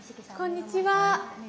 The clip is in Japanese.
こんにちは。